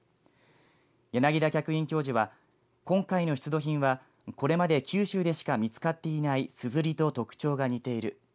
柳田客員教授は今回の出土品はこれまで九州でしか見つかっていないすずりと特徴が似ている。